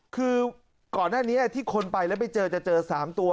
คือก่อนหน้านี้ที่คนไปแล้วไปเจอจะเจอ๓ตัว